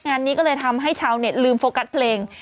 งานนี้ก็เลยทำให้ชาวเน็ตลืมโฟกัสเพลง